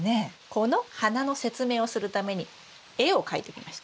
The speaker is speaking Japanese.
この花の説明をするために絵を描いてきました。